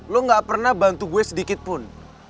lo gak pernah bantu gue sedikit pun